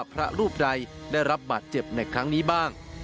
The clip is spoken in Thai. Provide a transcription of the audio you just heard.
พระรูปใดได้รับบาดเจ็บในครั้งนี้บ้าง